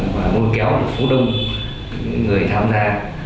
và lôi kéo vào phố đông người tham gia